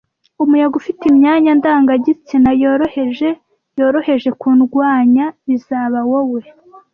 Umuyaga ufite imyanya ndangagitsina yoroheje yoroheje kundwanya bizaba wowe!